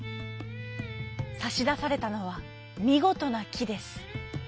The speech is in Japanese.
さしだされたのはみごとなきです。